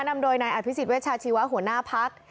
นำโดยนายอภิษฎเวชาชีวะหัวหน้าพัก